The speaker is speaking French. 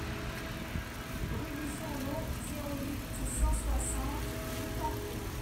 Rue du Fourneau, zéro huit, cent soixante Boutancourt